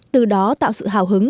từ đó tạo sự hào hứng